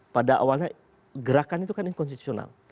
pada awalnya gerakan itu kan inkonstitusional